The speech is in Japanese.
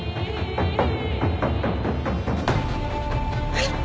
えっ！？